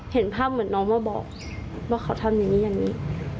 เห็นภาพเหมือนน้องเมื่อบอกว่าเขาทำอย่างนี้